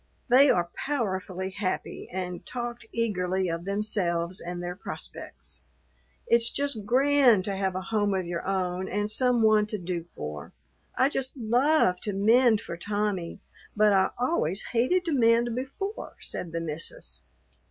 They are powerfully happy and talked eagerly of themselves and their prospects. "It's just grand to have a home of your own and some one to do for. I just love to mend for Tommy, but I always hated to mend before," said the missus.